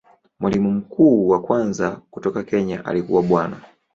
Mwalimu mkuu wa kwanza kutoka Kenya alikuwa Bwana.